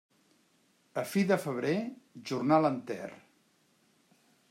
A fi de febrer, jornal enter.